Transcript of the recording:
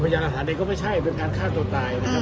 ยานอาหารเองก็ไม่ใช่เป็นการฆ่าตัวตายนะครับ